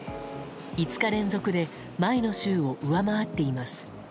５日連続で前の週を上回っています。